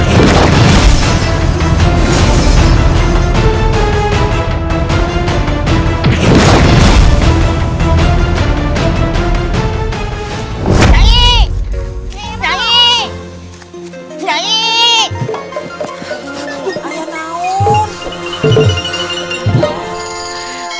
aku harus menggunakan ajem pabuk kasku